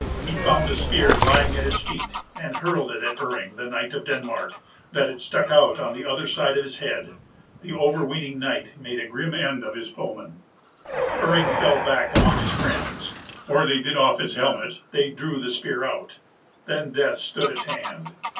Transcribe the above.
He found a spear lying at his feet, and hurled it at Iring, the knight of Denmark, that it stuck out on the other side of his head. The overweening knight made a grim end of his foeman. Iring fell back among his friends. Or they did off his helmet, they drew the spear out. Then death stood at hand.